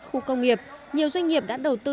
khu công nghiệp nhiều doanh nghiệp đã đầu tư